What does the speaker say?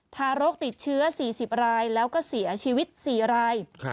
ทารกติดเชื้อ๔๐รายแล้วก็เสียชีวิต๔ราย